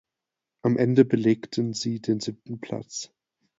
Am Ende belegten sie den siebten Platz.